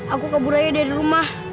aku kabur aja dari rumah